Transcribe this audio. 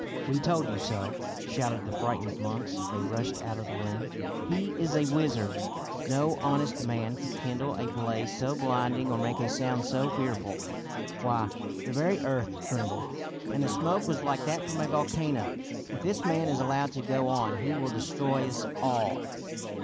" We told you so !" shouted the frightened monks as they rushed out of the room. '' He is a wizard. No honest man could kindle a blaze so blinding or make a sound so fearful. Why, the very earth trembled, and the smoke was like that from a vol cano. If this man is allowed to go on he will destroy us all."